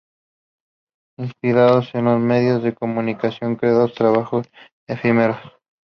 Inspirados en los medios de comunicación crearon trabajos efímeros.